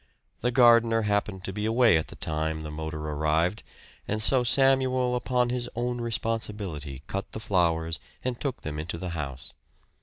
The gardener happened to be away at the time the motor arrived, and so Samuel upon his own responsibility cut the flowers and took them into the house.